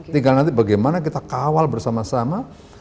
tinggal nanti bagaimana kita kawal bersama sama